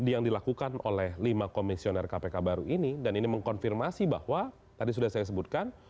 yang dilakukan oleh lima komisioner kpk baru ini dan ini mengkonfirmasi bahwa tadi sudah saya sebutkan